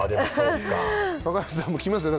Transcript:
若林さんもきますよ